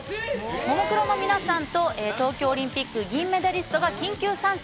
ももクロの皆さんと東京オリンピック銀メダリストが緊急参戦。